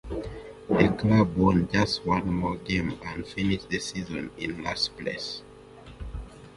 The club won just one more game and finished the season in last place.